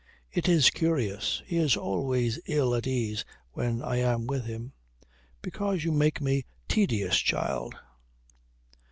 "It is curious. He is always ill at ease when I am with him." "Because you make me tedious, child."